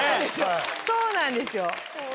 そうなんですよ。